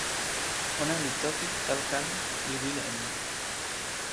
ona li toki tawa kala, li wile e ni: